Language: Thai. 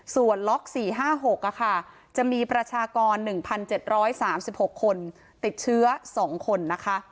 ชุมชนแฟลต๗๐มีประชากร๙๖๘๕คนพบเชื้อ๓๗คน